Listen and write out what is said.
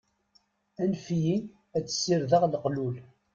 Anef-iyi ad sirdeɣ leqlul.